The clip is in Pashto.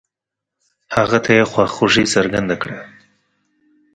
هغه ته يې خواخوږي څرګنده کړه.